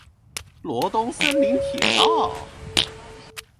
羅東森林鐵道